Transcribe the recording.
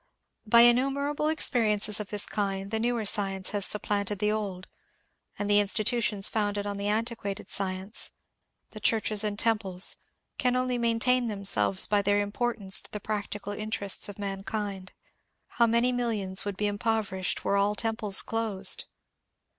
By innumerable experi ences of this kind the newer science has supplanted the old, and the institutions founded on antiquated science, the churches and temples, can only maintain themselves by their impor tance to the practical interests of mankind. How many mil lions would be impoverished were all temples closed